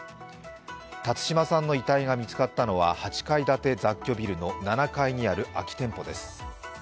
辰島さんの遺体が見つかったのは８階建て雑居ビルの７階にある空き店舗です。